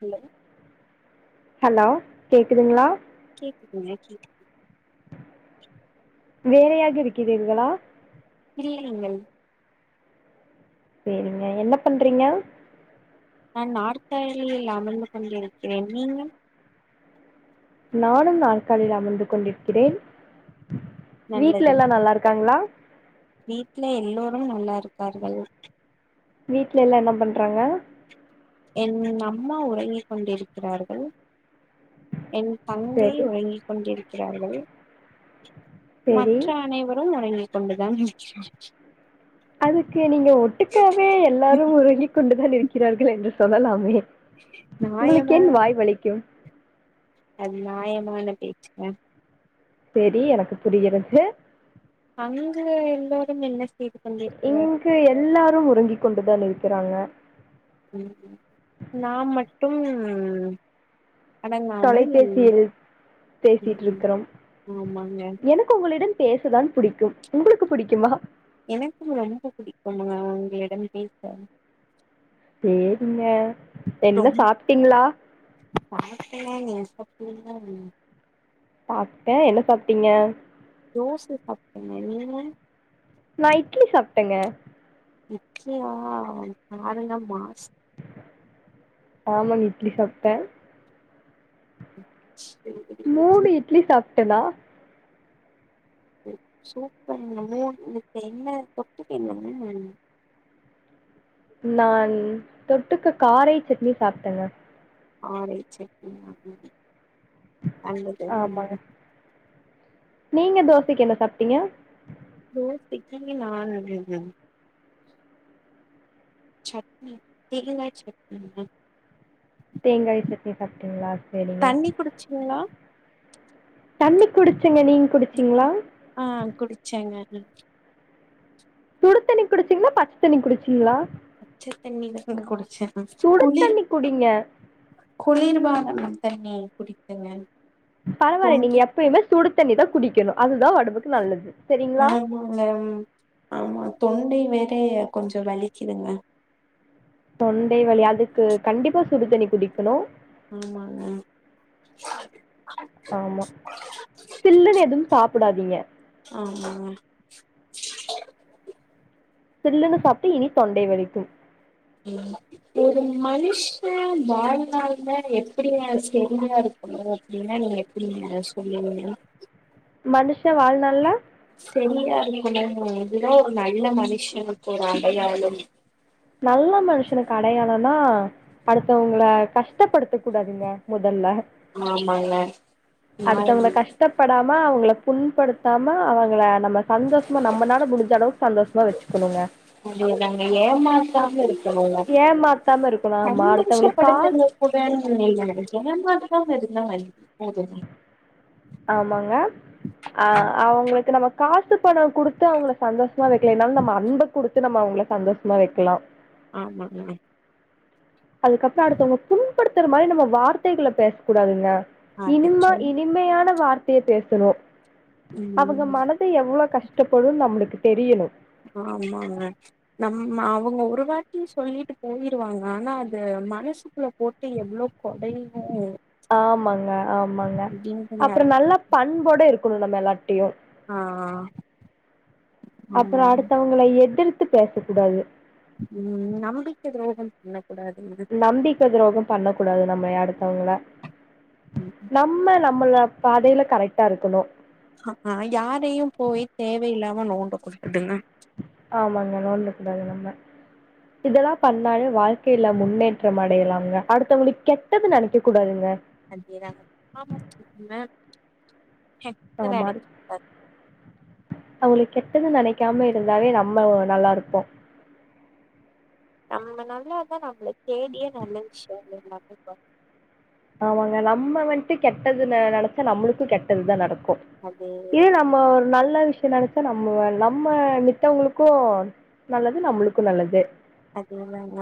Hello hello கேக்குதுங்களா கேக்குதுங்க கேக்கு வேலையாக இருக்கிறீர்களா இல்லையங்கள் சேரிங்க என்ன பண்றீங்க நா நாற்காலிலியில் அமர்ந்து கொண்டிருக்கிறேன் நீங்க நானும் நாற்காலில் அமர்ந்து கொண்டிருக்கிறேன் வீட்ல நல்லது எல்லா நல்லா இருக்காங்களா வீட்ல எல்லோ நல்லா இருக்கார்கள் வீட்ல எல்லா என்ன பண்றாங்க ம் அம்மா உறங்கி கொண்டிருக்கிறார்கள் என் தங்கை சரி உறங்கி கொண்டிருக்கிறார்கள் சரி மற்ற அனைவரும் உறங்கி கொண்டுதான் இருக்கிறார் அதுக்கு நீங்க ஒட்டுக்காவே எல்லாரு உறங்கி கொண்டுதான் இருக்கிறார்கள் என்று சொல்லலாமே உங்களுக்கு நியாயமான என் வாய் வலிக்கு அது நியாயமான பேச்சுதா செரி எனக்கு புரிகிறது அங்க எல்லோரும் என்ன செய்து கொண்டிருக்கிறார்கள் இங்கு எல்லாரும் உறங்கி கொண்டுதான் இருக்கிறாங்க ம் நாம் மட்டும் அடங்காமல் தொலைபேசியில் ம் பேசிட்டுருக்கறம் ஆமாங்க எனக்கு உங்களிடம் பேசதான் புடிக்கும் உங்களுக்கு புடிக்குமா எனக்கும் ரொம்ப பிடிக்கும்ங்க உங்களிடம் பேச பேசுங்க என்ன சாப்ட்டீங்ளா சாப்டே நீங்க சாப்டீங்ளா சாப்ட்டே என்ன சாப்ட்டீங்க தோச சாப்ட்டேங்க நீங்க நா இட்லி சாப்ட்டேங்க இட்லியா காரணம் மாஸ் ஆமாங்க இட்லி சாப்ட்டே மூணு இட்லி சாப்ட்டே நா சூப்பர்ங்க மூணு நீங்க என்ன தொட்டுபீங்க நான் தொட்டுக்க காரை சட்னி சாப்ட்டேங்க காரை சட்னியாங்க நல்லது ஆமாங்க [inaudible] நீங்க தோசைக்கி என்ன சாப்ட்டீங்க தோசைக்கி நானு சட்னி தேங்காய் சட்னியா தேங்காய் சட்னி சாப்ட்டீங்களா சேரிங்க தண்ணி குடிச்சீங்ளா தண்ணி குடிச்சேங்க நீங்க குடிச்சீங்ளா ம் சுடு தண்ணி குடிச்சீங்ளா பச்ச தண்ணி குடிச்சீங்ளா பச்ச தண்ணி தா குடிச்சே சுடு குளிர் தண்ணி குடிங்க குளிர் பான [inaudible] தண்ணி புடிக்குங்க பரவால்ல நீங்க எப்பயுமே சுடு தண்ணி தா குடிக்கணு அதுதா ஒடம்புக்கு நல்லது சரிங்களா ஆமாங்க ஆமா தொண்டை வே ற கொஞ்சோ வலிக்கிதுங்க தொண்டை வலி அதுக்கு கண்டிப்பா சுடுதண்ணி குடிக்கணு ஆமாங்க ஆமா சில்லுன்னு எதுவு சாப்டாதீங்க ஆமா சில்லுன்னு சாப்ட்டு இனி தொண்டை வலிக்கும் ம் ஒரு மனிஷே வாழ்நாள்ல எப்டிங்க செழுமையா இருக்கணு அப்டின்னா நீங் க எப்டிங்க சொல்லுங்க மனுஷே வாழ்நாள்ல செரியா இருக்கணு அதுதா ஒரு நல்ல மனுஷனுக்கு ஒரு அடையாளம் நல்ல மனுஷனுக்கு அடையாளன்னா அடுத்தவங்கள கஷ்டப்படுத்த கூடாதுங்க மொதல்ல ஆமாங்க நா அடுத்தவங்கள கஷ்டப்படாம அவுங்கள புண்படுத்தாம அவங்கள நம்ம சந்தோஷமா நம்மனால முடிஞ்ச அளவுக்கு சந்தோஷமா வச்சுக்கணுங்க பெசாம இருக்கணு ஏமாத்தாம இருக்கணு ஆமா சந்தோஷ அடுத்தவங்களுக்கு காசு படுத்தலான கூட நீங்க ஏமாத்தாம இருக் நாய் அதுதா ஆமாங்க ஆ அவங்களுக்கு நம்ம காசு பணோ குடுத்து அவங்கள சந்தோஷ மா வைக்கலாம் என்னாலும் நம்ம பட வக்கலேனாலு நம்ம அன்ப குடுத்து நம்ம அவுங்கள சந்தோஷமா வைக்கலா ஆமாங்க அதுக்கப்ற அடுத்தவங்க புண்படுத்துற மாரி நம்ம வார்த்தைகள பேச கூடாதுங்க அது இனிமா சொல்லி இனிமையான வார்த்தைய பேசணு அவங்க ம் மனது எவ்ளோ கஷ்டப்படுன் நம்ளுக்கு தெரியணு ஆமாங்க நம் அவங்க ஒரு வாட்டி சொல்லிட்டு போயிருவாங்க ஆனா அது மனசுக்குள்ள போட்டு எவ்ளோ கொடையு ஆமாங்க ஆமாங்க அப்டின்றது அப்றோ யாருக்கு நல்லா பண்போட இருக்கணு நம்ம எல்லா ட்டயு ஆ அப்றோ ஆமாங்க அடுத்தவங்கள எதிர் த்து பேசக்கூடாது ம் நம்பிக்க துரோகம் [unintelligible] நம்பிக்க துரோகம் பண்ண கூடாது நம்ம அடுத்தவங்கள நம்ம நம்ள பாதைல கரெட்டா இருக்கணு ஆமா யாரையு போய் தேவயில்லாம நோ ஆமாங்க நோண்ட கூடாது நம்ம இதெல்லா பண்லே வாழ்க்கைல முன்னேற்றம் அடையலாம்ங்க அடுத்தவங்ளுக்கு கெட்டது நெனைக்க கூடாதுங்க அதேதாங்க ஆமா நம்ம ஹெக்ஸ்னு ஆமா நெனைக்க கூடாது அவுங்களுக் கெ ட்டது நெனைக்காம இருந்தாவே நம்ம நல்லாருப்போ நம்ம நல்லாந்தா நம்ள தேடியே நல்ல விஷ்யோ எல்லாமே பண்ணு ஆமாங்க நம்ம வன்ட்டு கெட்டது ந நெனச்சா நம்ளுக்கு கெட்டதுதா நடக்கு கு இது அதேதா நம்ம ஒரு நல்ல விஷ்யோ நென ச்சா நம்ம நம்ம மித்தவங்ளுக்கு நல்லது நம்முளுக்கு நல்லது அதே தாங்க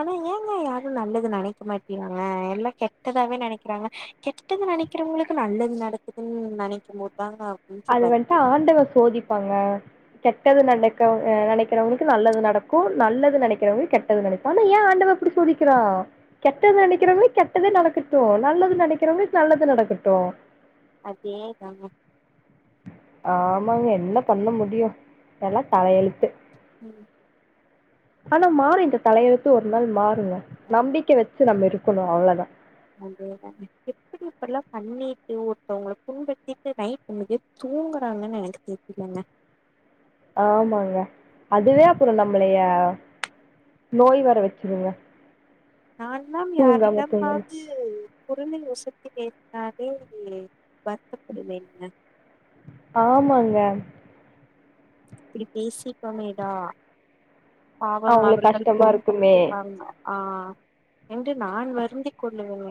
ஆனா ஏங்க யாரும் நல்லது நெனைக்க மாட்டிக்காங்க எல்லா கெட்டதாவே நெனைக்றாங் கெட் டது நெனைக்றவங்களுக்கு நல்லது நடக்குதுன் நெனைக்கும்போது அது வன்துட்டு ஆண்டவ சோதிப்பாங்க கெட்டது நனக்கவங்க நெனைக்றவங்களுக்கு நல்லது நடக்கு நல்லது நெனைக்றவங்களுக் கெட்டது நெனைக் ஆனா ஏன் ஆண்டவ இப்டி சோதிக்றா கெட்டது நெனைக்கறவங்களுக்கு கெட்டது நடக்கட்டு நல்லது நெனைக்றவங்கக் நல்லது நடக்கட்டு த அதே தாங்க ஆமாங்க என்ன பண்ண முடியு எல்லா தல எழுத்து ம் ஆனா மாறி இந்த தல எழுத்து ஒரு நாள் மாறுங்க நம்பிக்க வச்சு நம்ம இருக்கணு அவ்ளதா அதேதாங்க எப்டி இப்பெல்லா பண்ணிட்டு ஒருத்தவங்கள புண்படுத்திட்டு நைட் நிம்மதியா தூங்குறாங்கன்னு எனக்கு தெரிலங்க ஆமாங்க அதுவே அப்றோ நம்மளய நோய் வர வச்சுருங்க நான்லாம் யாரிடமாது குறலை ஒசத்தி பேஸ்னாலே வருத்தப்படுவேங்க ஆமாங்க இப்டி பேசிட்டோமே டா பாவம் அவங்களுக்கு அவர்கள் கஷ்டமா இருக்குமே புண்பட்ருப்பாங்க ஆ என்று நான் வருந்திக்கொள்ளுவேங்க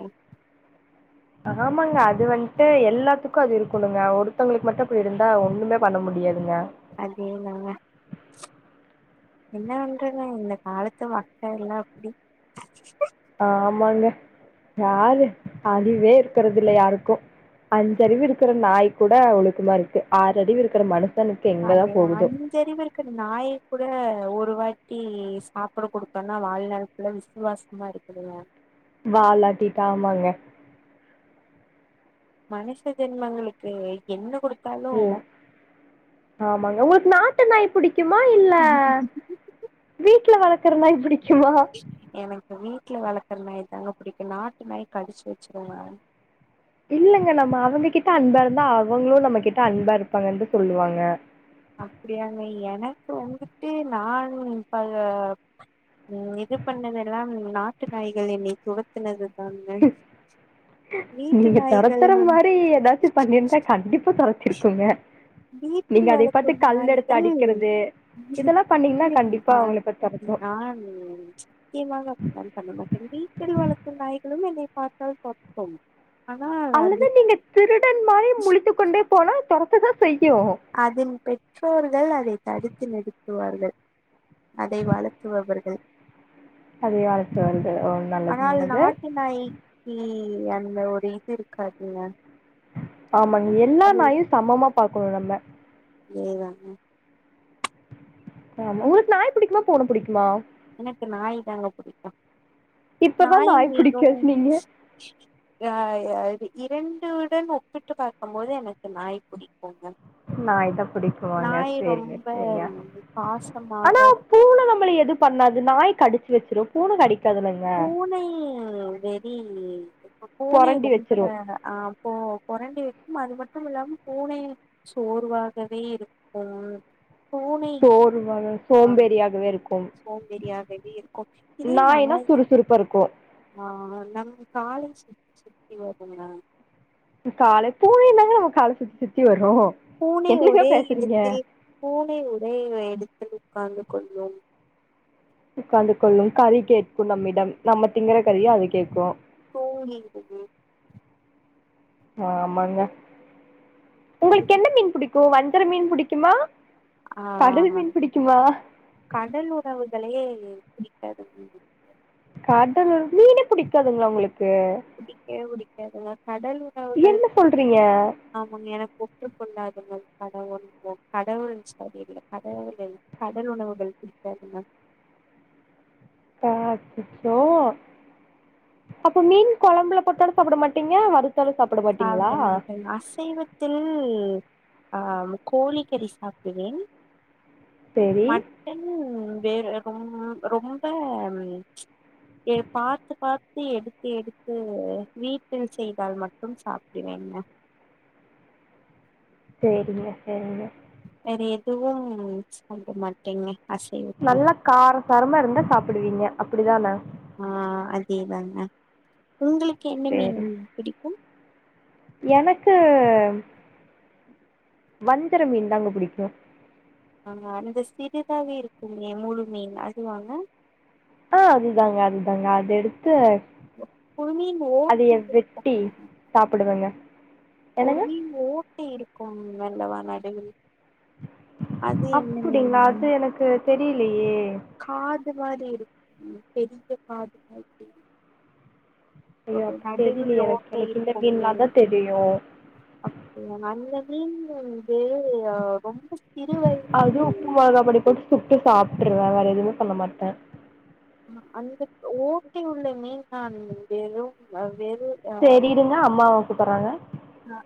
ஆமாங்க அது வன்ட்டு எல்லாத்துக்கு அது இருக்குணுங்க ஒருத்தங்களுக்கு மட்டு அப்டி இருந்தா ஒன்னுமே பண்ண முடி முடியாதுங்க அதேதாங்க என்ன வண்றது இந்த காலத்து மக்கள்லா அப்டி ஆமாங்க யாரு அறிவே இருக்கறது இல்ல யாருக்கு அஞ்சறிவு இருக்குற நாய் கூட ஒழுக்குமாருக்கு ஆறறிவு இருக்குற மனு அது அஞ்சறிவு இருக்குற நாய் கூட இந்த ஒரு வாட்டி சாப்ட குடுத்தோன்னா வாழ்நாள் ஃபுல்லா விசுவாசமா இருக்குதுங்க வாலாட்டிட்டு ஆமாங்க மனுச ஜென்மங்களுக்கு என்ன கொடுத் து இல்ல ஆமாங்க உங்களுக்கு நாட்டு நாய் புடிக் க்குமா இல்ல வீட்டுல வளர்க்கற நாய் பிடிக் எனக்கு வீட்டு வீட்டுல வளர்க்கற நாய் தாங்க புடிக்கும் நாட்டு நாய் கடிச்சு வச்சிருங்க இல்லங்க நம்ம அவங்க கிட்ட அன்பா இருந்தா அவங்களும் நம்ம கிட்ட அன்பா இருப்பாங்குனு சொல்லுவாங்க அப்படியாங்க எனக்கு வந்துட்டு நான் பல உம் இது பண்ணது எல்லாம் நாட்டு நாய்கள் என்னை துரத்துனது தாங்க வீட்டு நீங்க நாய்கள் தொரத்துர வந்து மாரி ஏதாச்சும் பண்ணிருந்தா கண்டிப்பா தொரத் ருக்குங்க நீங்க வீட்டில் அத பாத்து கல் எடுத்து அடிக்கிறது இதெல்லாம் பண்ணீங்கன்னா இல்லங்க கண்டிப்பா நா அவங்கள போய் தொரத்தும். நான் சத்தியமாக அப்டிலாம் பண்ண மாட்ட வீட்டில் வளர்க்கும் நாய்களும் என்னை பார்த்தால் தொரத்தும் அல்லது நீங்க திருடன் மாரி முளித்து கொண்டே போனா துரத்ததான் செய்யும் அதின் பெற்றோர்கள் அதைத் தடுத்து நிறுத்துவார்கள் அதை வளர்த்துபவர்கள் அது யாருக்கு வந்து ஓ நல்லது, ஆனால் நல்லது. நாட்டு நாய்க்கி அந்த ஒரு இது இருக்காதுங்க ஆமாங்க எல்லா நாயும் சமமா பாக்கணும் நம்ம அதே தாங்க ஆமா உங்களுக்கு நாய் புடிக்குமா பூனை புடிக்குமா எனக்கு நாய் தாங்க புடிக்கும் இப்பதான் நாய் புடிக்கானீங்க ஆஹ் அது இரண்டுடன் ஒப்பிட்டு பார்க்கும் போது எனக்கு நாய் பிடிக்கும்ங்க நாய் தா புடிக்குமாங்க செரிங்க ரொம்ப செரிங்க ஆனா பாசமாக பூனை நம்மளை எது பண்ணாது நாய் கடிச்சு வச்சிடும் பூனை கடிக் பூனை வெறி இப்ப பூனை பொரண்டி ரொம்ப வச்சிரு அஹ் போ போறண்டி வைக்கும் அது மட்டும் இல்லாம பூனை சோர்வாகவே இருக்கும் பூனை சோற்வா ஆ சோம்பேரியாகவே இருக்கும் சோம்பேறியாகவே இருக்கும் இதே நாய்னா நாய் சுறுசுறுப்பா இருக்கு ஆஹ் நம் கால சுத்தி சுத்தி வருங்க காலை பூனயுந்தாங்க நம்ம கால சுத்தி சுத்தி வரும் பூனை ஒரே இடத்தில் பூனை ஒரே இடத்தில் உட்கார்ந்து கொள்ளும் உட்காந்து கொள்ளும் கறி கேட்கும் நம்மிடம் நம்ம திங்குற கறிய அது கேட்கும் [unintelligible] ஆமாங்க அது உங்களுக்கு என்ன மீன் புடிக்கும் வஜ்ஜர மீன் புடிக்குமா கடல் ஆஹ் மீன் புடிக்குமா கடல் உறவுகளே செரி கடல் மீனு புடிக்காதுங்களா உங்களுக்கு புடிக்கவே புடிக்காதுங்க கடல் உணவுகள் என்ன சொல்றீங்க ஆமங்க எனக்கு ஒத்துக்கொள்ளாது கடல் சரியில்ல இல்ல கடலிலுள்ள கடல் உணவுகள் பிடிக்காதுங்க [unintelligible] அப்ப மீன் குழம்புல போட்டோடுத்து சாப்பிட மாட்டீங்க வரு சாப்பிட மாட்டேங்க அசைவத்தில் ஆஹ் கோழிக்கறி சாப்பிடுவேன் சேரி மட்டன் வேற ரொ ரொம்ப பாத்து பாத்து எடுத்து எடுத்து வீட்டில் செய்தால் மட்டும் மட்டும் சாப்பிடுவேங்க சேரிங்க சேரிங்க ற எதுவும் சாப்ட மாட்டேங்க அசைவத்தில் நல்லா கார சாரமா இருந்தா சாப்பிடுவீங்க அப்டிதான ஆ அதேதாங்க உங்களுக்கு என்ன மீன் சேரி பிடிக்கும் எனக்கு வஞ்சர மீன் தாங்க பிடிக்கு அங்க அந்த சிறிதாவே இருக்குமே முழு மீன் அதுவாங்க ஆ அதுதாங்க அதுதாங்க அது எடுத்து ஒரு மீன் ஓட்டை அதையே வெட்டி இருக்கும் சாப்புடுவங்க ஒரு மீன் ஓட்ட இருக்கு நல்லவா நடுவில் அது என்ன மீன் அப்புடிங்ளா அது எனக்கு தெரியலையே காது மாரி இருக்கும் பெரிய காது மாரி இருக் ஐயோ ஒரு அப்ப நடுவுல தெரியலையே எனக்கு ஓட்ட எனக்கு இந்த மீன்லா இருக்கும்மே தா தெரியு அப்டியா நல்லது க்ரீன் போல்ட்டு ஆ ரொம்ப சிறு அதுவு வயதில் உப்பு மொளகாப்பொடி போட்டு சுட்டு சாப்ட்ருவோ வேற எதுமே பண்ண மாட்டே அந்த ஓட்டை உள்ள மீன் தா இருந்தந்து வர் தெரியிதுங்க அம்மாவ கூப்புட்றாங்க ஆ